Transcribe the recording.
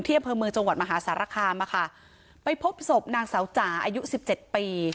เพื่อเมืองจังหวัดมหาศาสตร์ราคามาค่ะไปพบศพนางสาวจ๋าอายุสิบเจ็ดปี